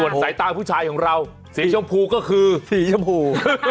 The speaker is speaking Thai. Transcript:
ส่วนสายตาผู้ชายของเราสีชมพูก็คือสีชมพู